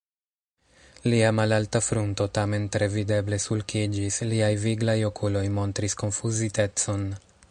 Lia malalta frunto tamen tre videble sulkiĝis, liaj viglaj okuloj montris konfuzitecon.